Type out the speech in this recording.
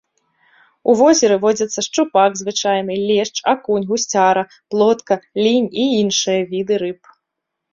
У возеры водзяцца шчупак звычайны, лешч, акунь, гусцяра, плотка, лінь і іншыя віды рыб.